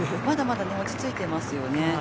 まだまだ落ち着いていますよね。